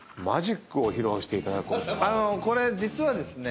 これ実はですね